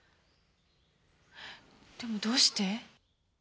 でもどうして？